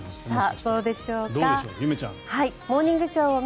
どうでしょうか。